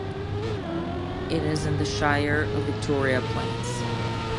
It is in the Shire of Victoria Plains.